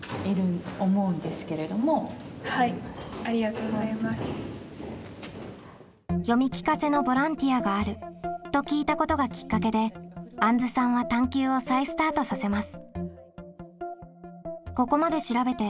そういう「読み聞かせのボランティアがある」と聞いたことがきっかけであんずさんは探究を再スタートさせます。